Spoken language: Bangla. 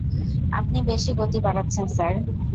আপনি বেশি গতি বাড়াচ্ছেন, স্যার।